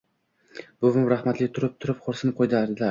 Buvim rahmatli turib-turib xo‘rsinib qo‘yardilar.